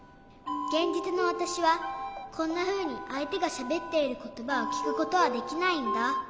げんじつのわたしはこんなふうにあいてがしゃべっていることばをきくことはできないんだ。